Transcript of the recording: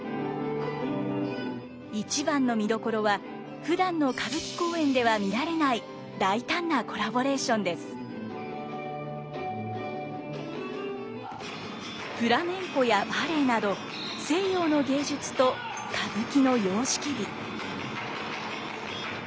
一番の見どころはふだんの歌舞伎公演では見られないフラメンコやバレエなど西洋の芸術と歌舞伎の様式美。